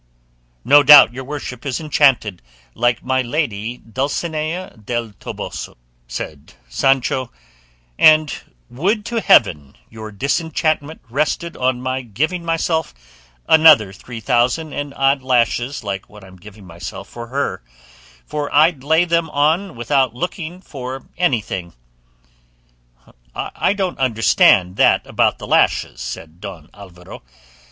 "No doubt your worship is enchanted, like my lady Dulcinea del Toboso," said Sancho; "and would to heaven your disenchantment rested on my giving myself another three thousand and odd lashes like what I'm giving myself for her, for I'd lay them on without looking for anything." "I don't understand that about the lashes," said Don Alvaro.